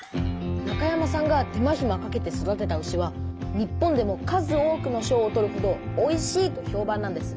中山さんが手間ひまかけて育てた牛は日本でも数多くの賞を取るほどおいしいとひょうばんなんです。